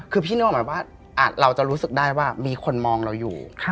คือพี่นึกออกหมายว่าเราจะรู้สึกได้ว่ามีคนมองเราอยู่